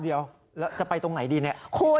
เดี๋ยวแล้วจะไปตรงไหนดีเนี่ย